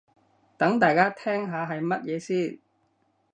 等大家聽下係乜嘢先